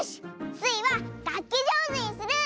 スイはがっきじょうずにする！